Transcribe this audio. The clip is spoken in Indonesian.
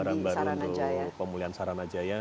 betul lembaran baru untuk pemulihan saranajaya